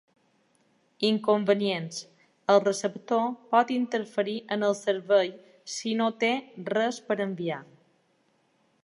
Inconvenients: El receptor pot interferir en el servei si no té res per enviar.